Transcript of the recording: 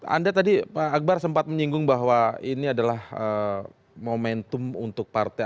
anda tadi pak akbar sempat menyinggung bahwa ini adalah momentum untuk partai